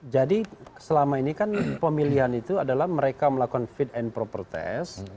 jadi selama ini kan pemilihan itu adalah mereka melakukan fit and proper test